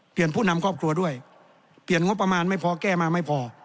ผู้นำครอบครัวด้วยเปลี่ยนงบประมาณไม่พอแก้มาไม่พอ